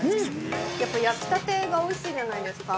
やっぱ、焼きたてがおいしいじゃないですか。